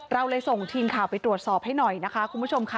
เราเลยส่งทีมข่าวไปตรวจสอบให้หน่อยนะคะคุณผู้ชมค่ะ